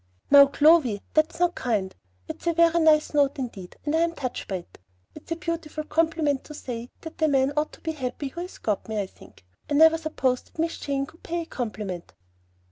"Now, Clovy, that's not kind. It's a very nice note indeed, and I am touched by it. It's a beautiful compliment to say that the man ought to be happy who has got me, I think. I never supposed that Miss Jane could pay a compliment."